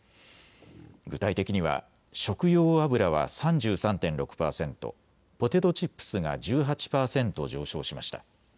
具体的には食用油は３３．６％、ポテトチップスが１８％上昇しました。